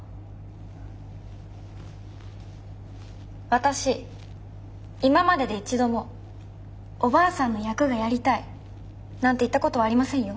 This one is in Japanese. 私今までで一度もおばあさんの役がやりたいなんて言ったことはありませんよ。